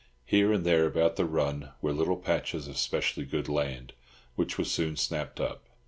Here and there about the run were little patches of specially good land, which were soon snapped up.